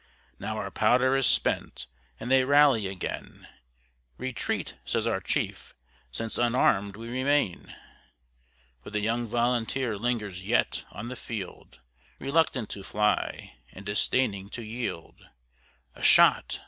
Now our powder is spent, and they rally again; "Retreat!" says our chief, "since unarmed we remain!" But the young volunteer lingers yet on the field, Reluctant to fly, and disdaining to yield. A shot!